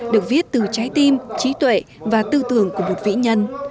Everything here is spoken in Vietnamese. được viết từ trái tim trí tuệ và tư tưởng của một vĩ nhân